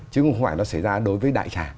chứ không phải nó xảy ra đối với đại trà